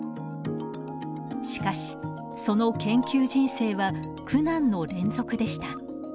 しかしその研究人生は苦難の連続でした。